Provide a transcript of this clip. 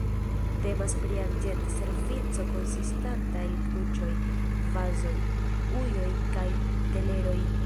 Temas pri arĝenta servico konsistanta el kruĉoj, vazoj, ujoj kaj teleroj.